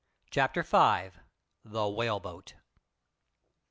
CHAPTER V. THE WHALEBOAT.